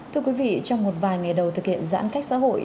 thưa quý vị trong một vài ngày đầu thực hiện giãn cách xã hội